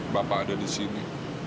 bapak ada disini